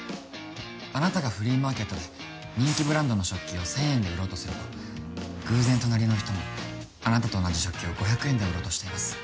あなたがフリーマーケットで人気ブランドの食器を１０００円で売ろうとすると偶然隣の人もあなたと同じ食器を５００円で売ろうとしています